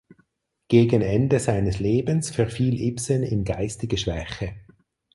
Gegen Ende seines Lebens verfiel Ibsen in geistige Schwäche.